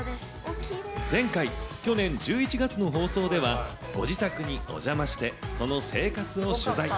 前回、去年１１月の放送では、ご自宅にお邪魔して、その生活を取材。